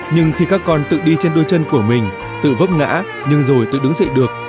nhưng khi các con tự đi trên đôi chân của mình tự vấp ngã nhưng rồi tự đứng dậy được